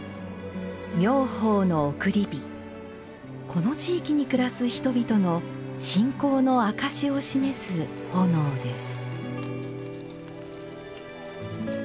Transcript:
この地域に暮らす人々の信仰の証しを示す炎です。